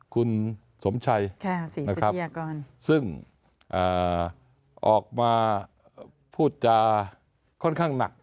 คุณสมชัยซึ่งออกมาพูดจะค่อนข้างหนัก